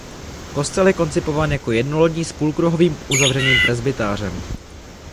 Kostel je koncipován jako jednolodní s půlkruhovým uzavřeným presbytářem.